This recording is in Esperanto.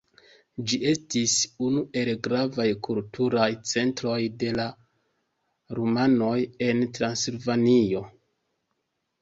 Ĝi estis unu el gravaj kulturaj centroj de la rumanoj en Transilvanio.